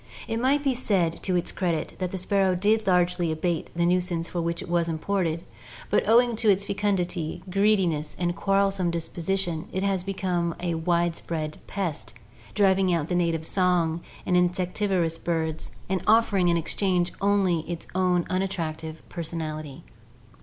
It may be said to its credit that the sparrow did largely abate the nuisance for which it was imported, but owing to its fecundity, greediness, and quarrelsome disposition, it has become a widespread pest, driving out the native song and insectivorous birds and offering in exchange only its own unattractive personality.